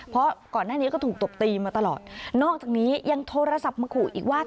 เพราะก่อนหน้านี้ก็ถูกตบตีมาตลอดนอกจากนี้ยังโทรศัพท์มาขู่อีกว่า